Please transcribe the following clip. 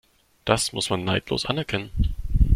Das muss man neidlos anerkennen.